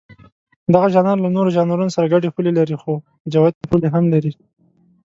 دغه ژانر له نورو ژانرونو سره ګډې پولې لري، خو جوتې پولې هم لري.